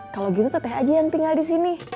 kalau gitu teteh aja yang tinggal disini